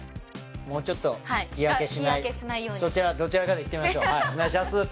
もうちょっとはい日焼けしないようにそちらどちらかでいってみましょうお願いします